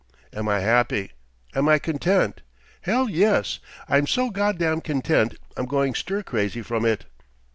"Am I happy! Am I content! Hell, yes! I'm so goddam content I'm going stir crazy from it!